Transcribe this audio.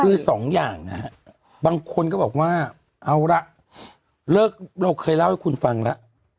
คือสองอย่างนะฮะบางคนก็บอกว่าเอาละเลิกเราเคยเล่าให้คุณฟังแล้ว